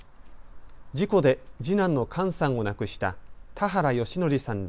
事故で次男の寛さんを亡くした田原義則さんら